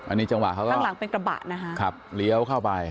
อันนี้จังหวะเขาก็ข้างหลังเป็นกระบะนะคะขับเลี้ยวเข้าไป